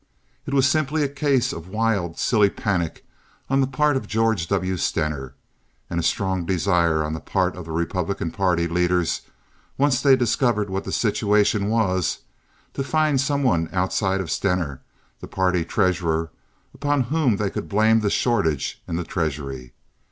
It was simply a case of wild, silly panic on the part of George W. Stener, and a strong desire on the part of the Republican party leaders, once they discovered what the situation was, to find some one outside of Stener, the party treasurer, upon whom they could blame the shortage in the treasury.